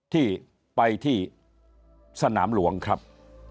ที่ไปที่สนามหลวงครับ